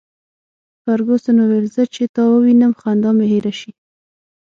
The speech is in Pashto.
فرګوسن وویل: زه چي تا ووینم، خندا مي هېره شي.